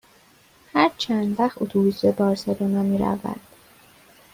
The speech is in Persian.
هر چند وقت اتوبوس به بارسلونا می رود؟